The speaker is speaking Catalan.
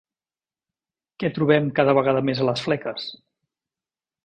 Què trobem cada vegada més a les fleques?